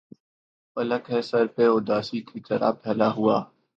فلک ہے سر پہ اُداسی کی طرح پھیلا ہُوا